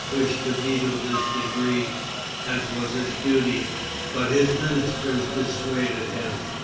wished to veto this decree, as was his duty, but his ministers dissuaded him.